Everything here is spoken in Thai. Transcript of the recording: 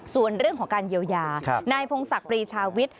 ส่วนเรื่องของการเยียวยานายพงศักดิ์ปรีชาวิทย์